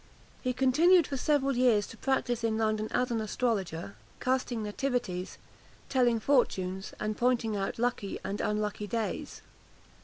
He continued for several years to practise in London as an astrologer; casting nativities, telling fortunes, and pointing out lucky and unlucky days.